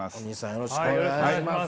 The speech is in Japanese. よろしくお願いします。